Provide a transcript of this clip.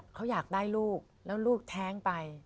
เขาอยากได้ลูกแล้วลูกแท้งไป